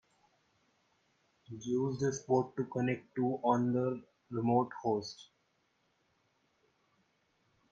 Use this port to connect to on the remote host.